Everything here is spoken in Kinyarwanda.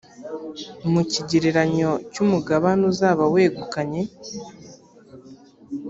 mu kigereranyo cy’umugabane uzaba wegukanye.